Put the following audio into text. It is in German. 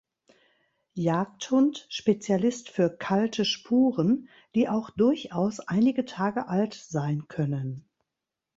Jagdhund, Spezialist für „kalte“ Spuren, die auch durchaus einige Tage alt sein können.